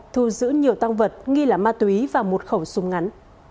thu giữ nhiều tăng vật nghi là ma túy và một khẩu súng ngắn